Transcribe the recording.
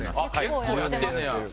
結構やってんねや。